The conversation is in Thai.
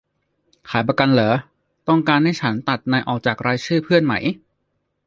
ขายประกันหรอ ต้องการให้ฉันตัดนายออกจากรายชื่อเพื่อนไหม